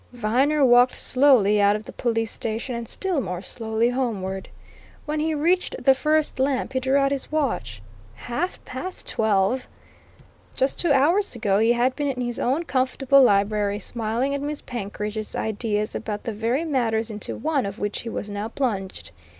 Viner walked slowly out of the police station and still more slowly homeward. When he reached the first lamp, he drew out his watch. Half past twelve! Just two hours ago he had been in his own comfortable library, smiling at Miss Penkridge's ideas about the very matters into one of which he was now plunged.